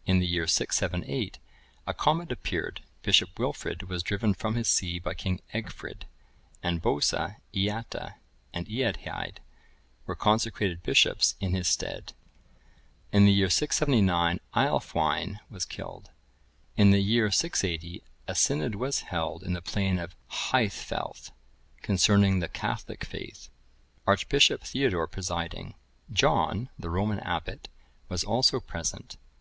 [IV, 12.] In the year 678, a comet appeared; Bishop Wilfrid was driven from his see by King Egfrid; and Bosa, Eata, and Eadhaed were consecrated bishops in his stead. [Ibid.; V, 19.] In the year 679, Aelfwine was killed. [IV, 21.] In the year 680, a synod was held in the plain of Haethfelth, concerning the Catholic faith, Archbishop Theodore presiding; John, the Roman abbot, was also present.